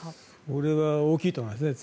それは大きいと思いますね。